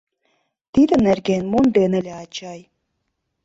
Тиде нерген монден ыле ачай.